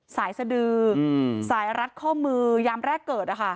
สายสดือสายรัดข้อมือยามแรกเกิด